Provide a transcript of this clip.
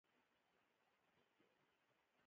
مسکی شو او ویې ویل دا ستاسې لطف دی.